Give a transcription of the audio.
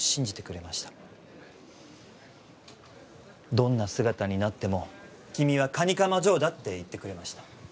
「どんな姿になっても君は蟹釜ジョーだ」って言ってくれました。